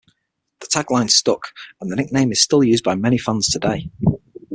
The tag line stuck, and the nickname is still used by many fans today.